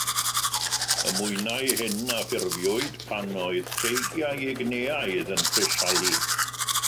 Y mwynau hyn a ffurfiwyd pan oedd creigiau Igneaidd yn crisialu.